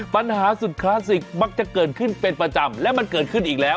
ปัญหาสุดคลาสสิกมักจะเกิดขึ้นเป็นประจำและมันเกิดขึ้นอีกแล้ว